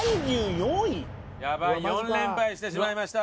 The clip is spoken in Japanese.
４連敗してしまいました。